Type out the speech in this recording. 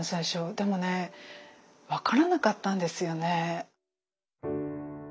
でもね分からなかったんですよね。